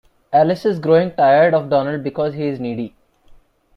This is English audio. Alice is growing tired of Donald because he is needy.